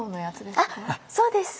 そうです。